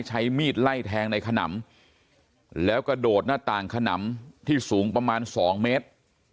ใช้มีดไล่แทงในขนำแล้วกระโดดหน้าต่างขนำที่สูงประมาณ๒เมตร